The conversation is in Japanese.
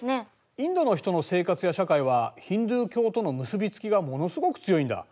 インドの人の生活や社会はヒンドゥー教との結び付きがものすごく強いんだ。